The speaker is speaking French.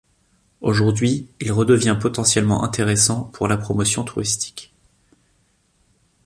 Aujourd'hui, il redevient potentiellement intéressant pour la promotion touristique.